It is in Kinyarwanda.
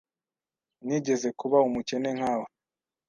Nigeze kuba umukene nkawe.